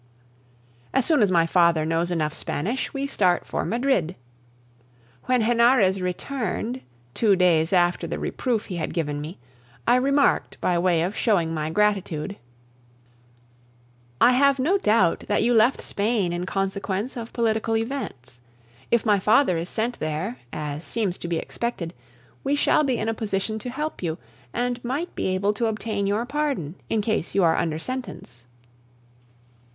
As soon as my father knows enough Spanish, we start for Madrid. When Henarez returned, two days after the reproof he had given me, I remarked by way of showing my gratitude: "I have no doubt that you left Spain in consequence of political events. If my father is sent there, as seems to be expected, we shall be in a position to help you, and might be able to obtain your pardon, in case you are under sentence."